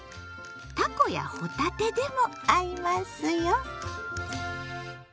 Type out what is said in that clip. たこやほたてでも合いますよ。